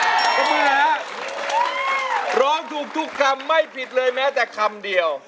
คุณหมื่นฮะร้องถูกทุกคำไม่ผิดเลยแม้แต่คำเดียว